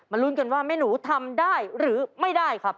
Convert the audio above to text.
ลุ้นกันว่าแม่หนูทำได้หรือไม่ได้ครับ